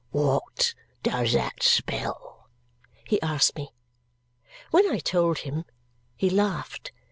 "What does that spell?" he asked me. When I told him, he laughed.